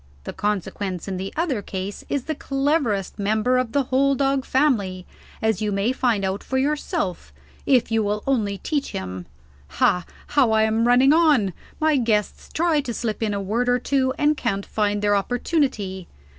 The consequence, in the other case, is the cleverest member of the whole dog family as you may find out for yourself if you will only teach him. Ha how I am running on. My guests try to slip in a word or two, and can't find their opportunity.